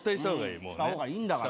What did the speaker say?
した方がいいんだから。